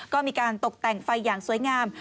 ก็มีการตกแต่งไฟอย่างสวยงาม